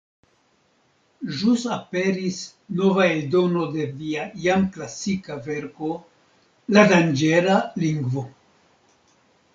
Ĵus aperis nova eldono de via jam klasika verko ”La danĝera lingvo”.